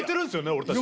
俺たち。